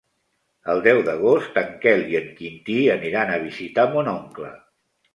El deu d'agost en Quel i en Quintí aniran a visitar mon oncle.